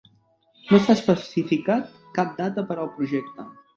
No s"ha especificat cap data per al projecte.